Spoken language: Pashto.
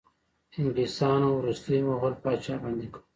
انګلیسانو وروستی مغول پاچا بندي کړ.